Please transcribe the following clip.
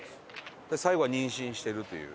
最後は妊娠してるという。